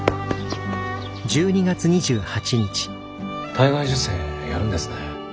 体外受精やるんですね。